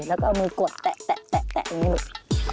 แล้วก็มือกดแตะแบบนี้ลูก